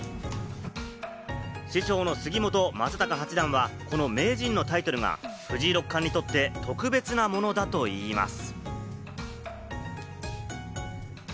師匠の杉本昌隆八段は、この名人のタイトルが藤井六冠にとって特別なものだといいます。